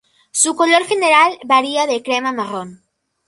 Su color general varía de crema a marrón.